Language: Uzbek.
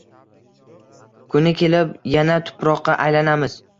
Kuni kelib, yana tuproqqa aylanamiz.